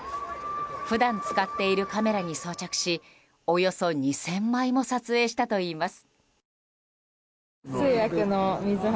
普段使っているカメラに装着しおよそ２０００枚も撮影したといいます。